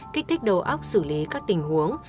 kích thích đầu óc xử lý các tình huống